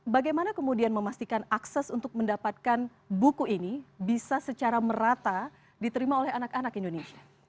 bagaimana kemudian memastikan akses untuk mendapatkan buku ini bisa secara merata diterima oleh anak anak indonesia